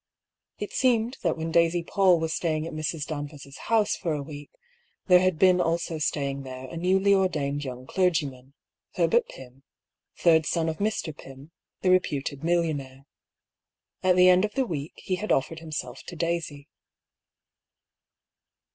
It seemed that when Daisy PauU was staying at Mrs. Danvers' house for a week, there had been also staying there a newly ordained young clergyman, Herbert Pym, third son of Mr. Pym, the reputed millionaire. At the end of the week he had offered himself to Daisy.